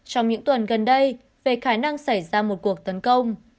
trong những tuần gần đây về khả năng xảy ra một cuộc tấn công